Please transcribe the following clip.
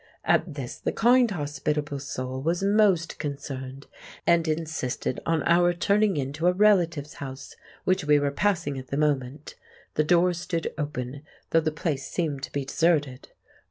At this the kind hospitable soul was most concerned, and insisted on our turning into a relative's house which we were passing at the moment. The door stood open, though the place seemed to be deserted.